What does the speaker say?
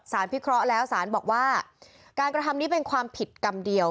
พิเคราะห์แล้วสารบอกว่าการกระทำนี้เป็นความผิดกรรมเดียว